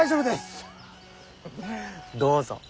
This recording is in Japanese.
どうぞ。